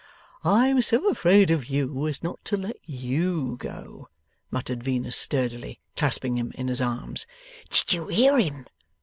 'I am so afraid of you, as not to let YOU go,' muttered Venus, sturdily, clasping him in his arms. 'Did you hear him?